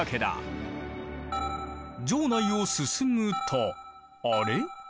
城内を進むとあれ？